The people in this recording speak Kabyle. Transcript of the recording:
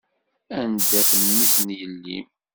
Anda-t mmi-s n yelli-m?